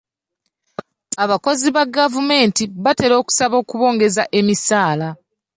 Abakozi ba gavumenti batera okusaba okubongeza emisaala.